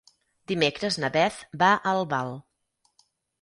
Dimecres na Beth va a Albal.